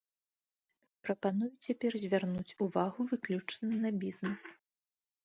Прапаную цяпер звярнуць увагу выключна на бізнес.